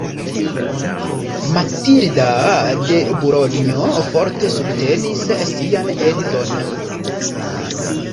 Matilda de Bulonjo forte subtenis sian edzon.